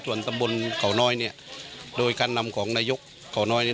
ส่วนตำบลเขาน้อยเนี่ยโดยการนำของนายกเขาน้อยเนี่ย